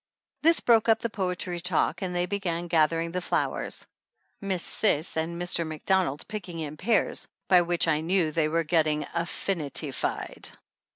This broke up the poetry talk and they began gathering the flow ers, Miss Cis and Mr. Macdonald picking in pairs, by which I knew they were getting affin ityfied.